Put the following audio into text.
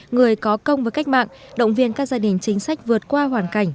người có công với cách mạng động viên các gia đình chính sách vượt qua hoàn cảnh